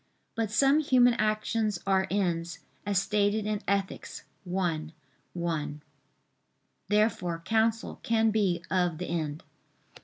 But some human actions are ends, as stated in Ethic. i, 1. Therefore counsel can be of the end.